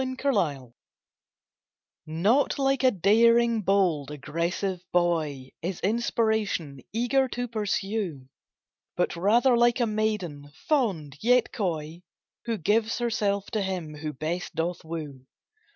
INSPIRATION Not like a daring, bold, aggressive boy, Is inspiration, eager to pursue, But rather like a maiden, fond, yet coy, Who gives herself to him who best doth woo.